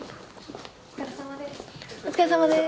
お疲れさまです。